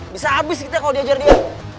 bisa abis kita kalo diajar dia